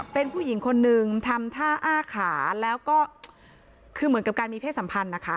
เป็นผู้หญิงคนนึงทำท่าอ้าขาแล้วก็คือเหมือนกับการมีเพศสัมพันธ์นะคะ